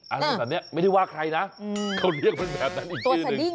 อะไรแบบนี้ไม่ได้ว่าใครนะเขาเรียกมันแบบนั้นอีกชื่อนึง